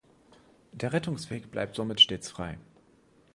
Der Rettungsweg bleibt somit stets frei.